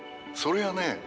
それがね